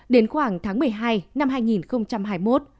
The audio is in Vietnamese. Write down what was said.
đến khoảng tháng một mươi hai năm hai nghìn hai mươi một